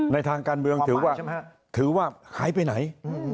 ในทางการเมืองถือว่าหายไปไหน